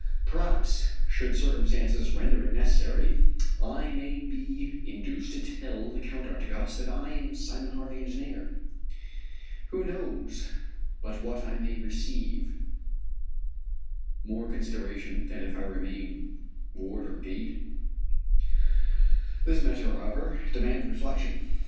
Perhaps should circumstances render it necessary I may be induced to tell the Count d'Artigas that I am Simon Hart, the engineer. Who knows but what I may receive more consideration than if I remain Warder Gaydon? This measure, however, demands reflection.